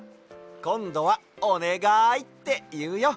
こんどは「おねがい！」っていうよ。